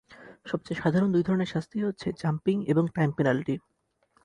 সবচেয়ে সাধারণ দুই ধরনের শাস্তি হচ্ছে জাম্পিং এবং টাইম পেনাল্টি।